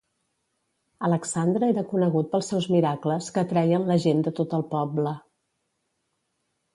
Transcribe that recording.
Alexandre era conegut pels seus miracles que atreien la gent de tot el poble.